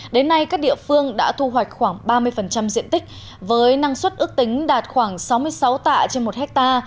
đến nay các địa phương đã thu hoạch khoảng ba mươi diện tích với năng suất ước tính đạt khoảng sáu mươi sáu tạ trên một ha